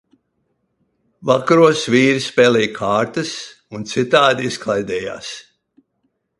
Vakaros vīri spēlēja kārtis un citādi izklaidējās.